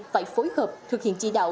phải phối hợp thực hiện chỉ đạo